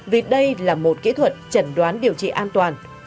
vì đây là một kỹ thuật chẩn đoán điều trị an toàn